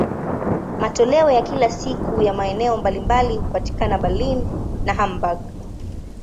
Matoleo ya kila siku ya maeneo mbalimbali hupatikana Berlin na Hamburg.